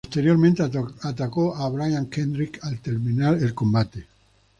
Posteriormente atacó a Brian Kendrick al terminar el combate.